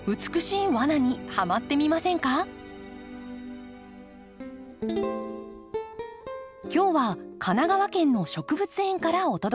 今日は神奈川県の植物園からお届けします。